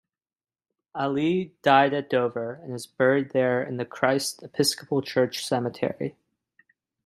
Allee died at Dover and is buried there in the Christ Episcopal Church Cemetery.